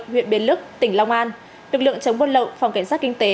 huyện biên lức tỉnh long an lực lượng chống bôn lậu phòng cảnh sát kinh tế